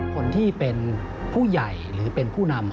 คนที่เป็นผู้ใหญ่หรือเป็นผู้นำ